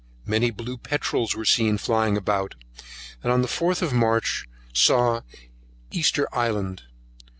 Many blue Peterals were seen flying about, and on the 4th of March saw Easter Island.